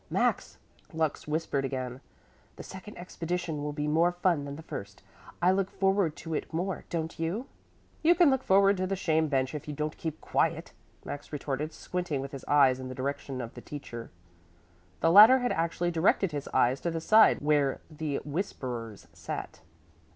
"Max," Lux whispered again, "the second expedition will be more fun than the first. I look forward to it more, don't you?" "You can look forward to the shame bench if you don't keep quiet," Max retorted, squinting with his eyes in the direction of the teacher. The latter had actually directed his eyes to the side where the whisperers sat.